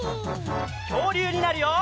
きょうりゅうになるよ！